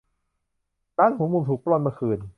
ร้านหัวมุมถูกปล้นเมื่อคืน